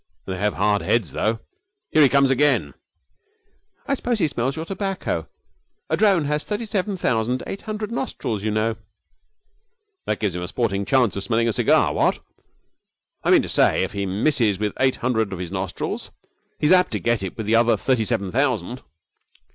'They have hard heads, though. Here he comes again!' 'I suppose he smells your tobacco. A drone has thirty seven thousand eight hundred nostrils, you know.' 'That gives him a sporting chance of smelling a cigar what? I mean to say, if he misses with eight hundred of his nostrils he's apt to get it with the other thirty seven thousand.'